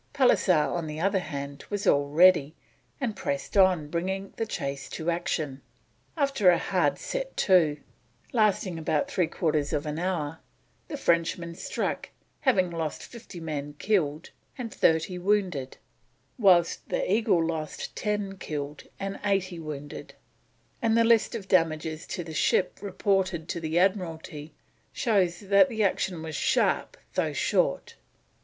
Pallisser, on the other hand, was all ready, and pressed on, bringing the chase to action. After a hard set to, lasting about three quarters of an hour, the Frenchman struck, having lost 50 men killed and 30 wounded, whilst the Eagle lost 10 killed and 80 wounded; and the list of damages to the ship reported to the Admiralty shows that the action was sharp though short.